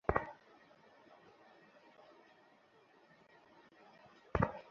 চারটি যুদ্ধবিমান থেকে সিরিয়ার পূর্বাঞ্চলে ওমর নামের একটি তেলক্ষেত্রে বোমাবর্ষণ করা হয়।